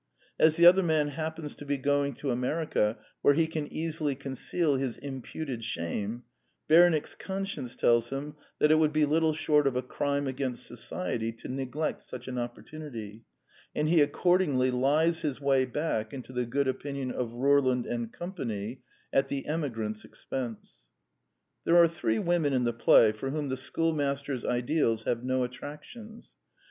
As the other man happens to be going to America, where he can easily conceal his imputed shame, Bernick's conscience tells him that it would be little short of a crime against society to neglect such an opportunity; and he accord ingly lies his way back into the good opinion of Rorlund and Company at the emigrant's expense. There are three women in the play for whom the schoolmaster's ideals have no attractions.